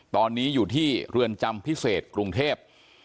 ตอนนี้อยู่ที่เรือนจำพิเศษกรุงเทพ